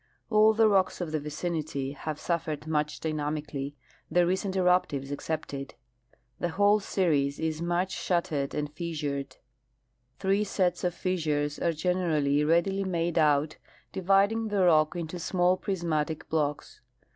All the rocks of the vicinity have suffered much dynamically, the recent eruptives excepted. The whole series is much shat tered and fissured. Three sets of fissures are generally readily made out, dividing the rock into small prismatic blocks.